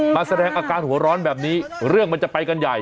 แสดงอาการหัวร้อนแบบนี้เรื่องมันจะไปกันใหญ่